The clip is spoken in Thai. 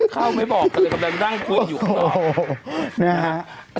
ข้าวไม่บอกแต่กำลังดั่งพูดอยู่ข้างหน้าโอ้โหนะฮะ